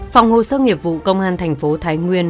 phòng hồ sơ nghiệp vụ công an thành phố thái nguyên